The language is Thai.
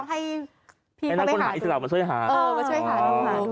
ให้นักค้นหาอิสระมาช่วยหาดู